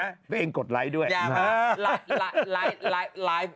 ตัวเองกดไลค์ด้วย